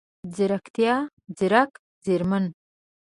ځيرکتيا، ځیرک، ځیرمن،